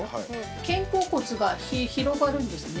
肩甲骨が広がるんですね。